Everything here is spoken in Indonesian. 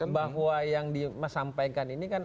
bahwa yang disampaikan ini kan